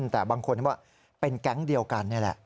แต่บางคนว่าเป็นแก๊งเดียวกันนี่แหละ